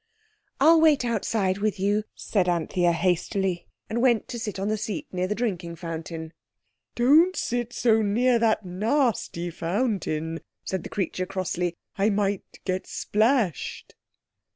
"I'll wait outside with you," said Anthea hastily, and went to sit on the seat near the drinking fountain. "Don't sit so near that nasty fountain," said the creature crossly; "I might get splashed."